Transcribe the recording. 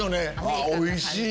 おいしい！